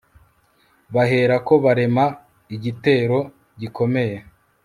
bahera ko barema igitero gikomeye